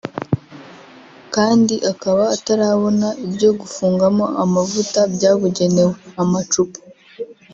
kandi akaba ataranabona ibyo gufungamo amavuta byabugenewe (amacupa